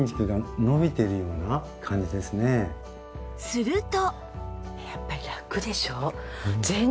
すると